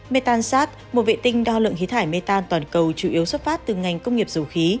metansat một vệ tinh đo lượng khí thải metan toàn cầu chủ yếu xuất phát từ ngành công nghiệp dầu khí